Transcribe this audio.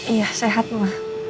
iya sehat ma